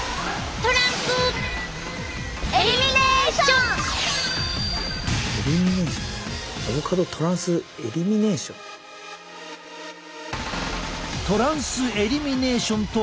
トランスエリミネーションとは一体？